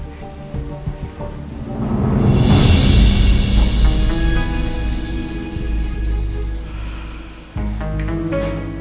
gue gak sopan banget sih